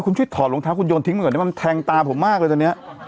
คุณช่วยถอดรองเท้าคุณโยนทิ้งก่อนได้ไหมมันแทงตาผมมากเลยตอนนี้